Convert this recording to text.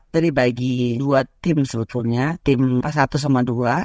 jadi bagi dua tim seluruhnya tim satu sama dua